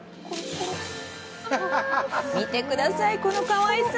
見てください、このかわいさ！